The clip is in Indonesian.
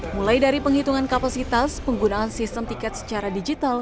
mulai dari penghitungan kapasitas penggunaan sistem tiket secara digital